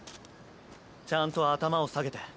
ちゃんと頭を下げて。